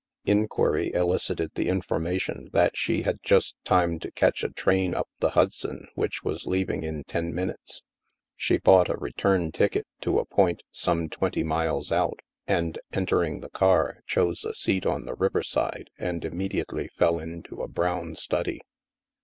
Inquiry elicited the information that she had just time to catch a train up the Hudson which was leav ing in ten minutes. She brought a return ticket to a point some twenty miles out and, entering the car, chose a seat on the river side and immediately fell into a brown study.